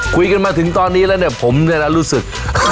คุยกันมาถึงตอนนี้แล้วผมแน่นอนรู้สึก